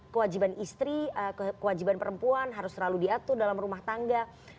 kewajiban istri kewajiban perempuan harus selalu diatur dalam rumah tangga